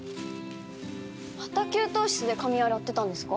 また給湯室で髪洗ってたんですか？